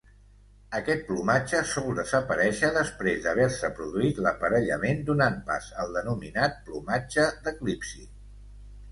Aquest plomatge sol desaparèixer després d'haver-se produït l'aparellament donant pas al denominat plomatge d'eclipsi.